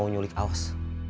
mau nyulik aos